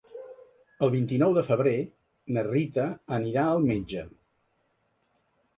El vint-i-nou de febrer na Rita anirà al metge.